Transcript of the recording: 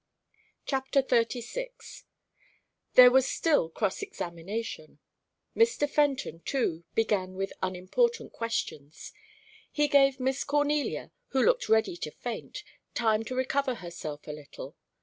Chapter XXXVI There was still cross examination. Mr. Fenton, too, began with unimportant questions. He gave Miss Cornelia, who looked ready to faint, time to recover herself a little.